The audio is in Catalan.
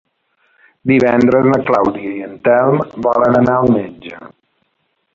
Divendres na Clàudia i en Telm volen anar al metge.